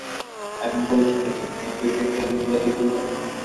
আমি বলছি না কে, তবে কেউকে তো এর মূল্য দিতেই হবে।